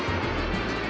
jangan makan aku